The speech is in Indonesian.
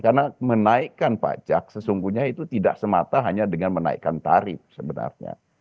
karena menaikkan pajak sesungguhnya itu tidak semata hanya dengan menaikkan tarif sebenarnya